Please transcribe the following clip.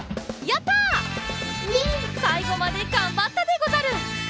さいごまでがんばったでござる！